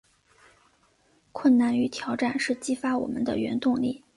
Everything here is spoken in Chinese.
困难与挑战是激发我们的原动力